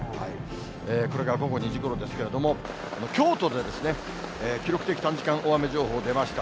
これが午後２時ごろですけれども、京都で記録的短時間大雨情報出ました。